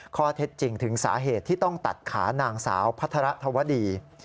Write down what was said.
ข้อเท็จจริงถึงสาเหตุที่ต้องตัดขานางสาวพัฒระธวดี